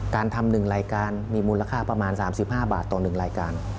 การทำ๑รายการมีมูลค่าประมาณ๓๕บาทต่อ๑รายการ